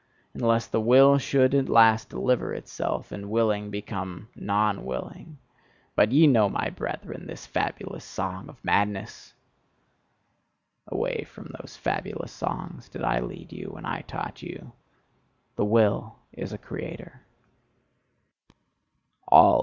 Unless the Will should at last deliver itself, and Willing become non Willing :" but ye know, my brethren, this fabulous song of madness! Away from those fabulous songs did I lead you when I taught you: "The Will is a creator."